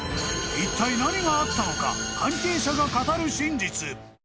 一体、何があったのか関係者が語る真実。